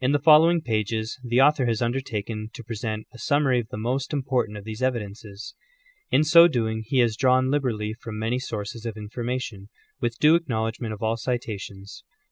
In the following pages the author has undertaken to present a summary of the most important of these evidences. In so doing he has drawn liberally from many sources of information, with due acknowledgment of all citations.